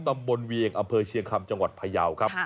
เวียงอำเภอเชียงคำจังหวัดพยาวครับ